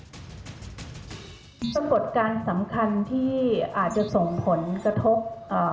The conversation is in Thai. ปรากฏการณ์สำคัญที่อาจจะส่งผลกระทบ